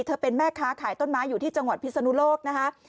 เป็นแม่ค้าขายต้นไม้อยู่ที่จังหวัดพิศนุโลกนะคะ